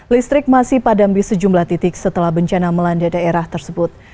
listrik masih padam di sejumlah titik setelah bencana melanda daerah tersebut